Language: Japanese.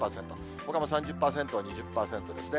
ほかも３０％、２０％ですね。